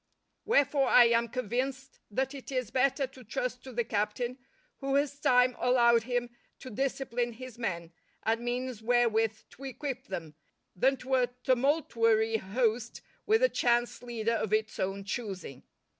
Wherefore I am convinced that it is better to trust to the captain who has time allowed him to discipline his men, and means wherewith to equip them, than to a tumultuary host with a chance leader of its own choosing.